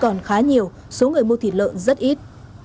còn khá nhiều số người mua thịt lợn rất ít